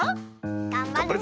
がんばるぞ！